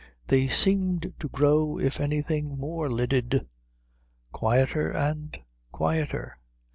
They seemed to grow, if anything, more lidded. Quieter and quieter.